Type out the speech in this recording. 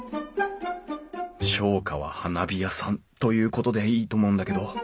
商家は花火屋さんということでいいと思うんだけど。